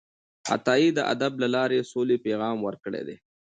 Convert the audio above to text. عطايي د ادب له لارې د سولې پیغام ورکړی دی